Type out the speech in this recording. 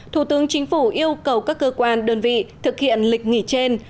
thủ tướng chính phủ yêu cầu các cơ quan đơn vị thực hiện lịch nghỉ trên